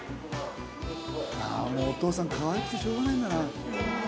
ああもうお父さんかわいくてしょうがないんだな。